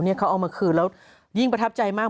เขาเอามาคืนแล้วยิ่งประทับใจมาก